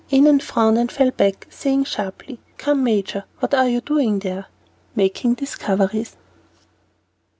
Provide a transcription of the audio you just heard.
Annon frowned and fell back, saying sharply, "Come, Major, what are you doing there?" "Making discoveries."